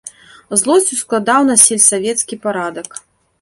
Злосць ускладаў на сельсавецкі парадак.